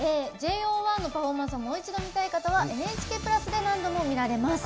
ＪＯ１のパフォーマンスをもう一度見たい方は「ＮＨＫプラス」で何度も見られます。